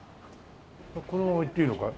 このまま行っていいのかい？